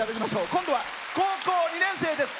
今度は高校２年生です。